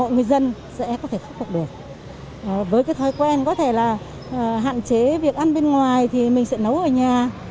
người dân sẽ có thể khắc phục được với cái thói quen có thể là hạn chế việc ăn bên ngoài thì mình sẽ nấu ở nhà